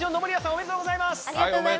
おめでとうございます。